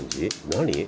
何？